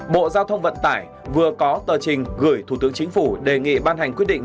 bộ giao thông vận tải vừa có tờ trình gửi thủ tướng chính phủ đề nghị ban hành quyết định